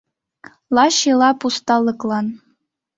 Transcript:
Лач ила пусталыклан